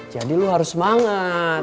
jadi lu harus semangat